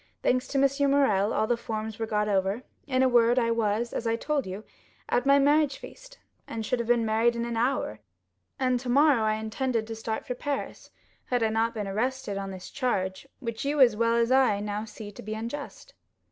Thanks to M. Morrel, all the forms were got over; in a word I was, as I told you, at my marriage feast; and I should have been married in an hour, and tomorrow I intended to start for Paris, had I not been arrested on this charge which you as well as I now see to be unjust."